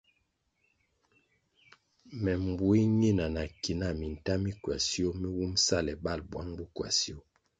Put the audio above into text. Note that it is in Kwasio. Me mbue nina na ki na minta mi kwasio mi wumʼ sale balʼ buang bo kwasio.